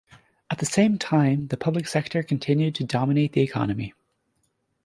At the same time the public sector continued to dominate the economy.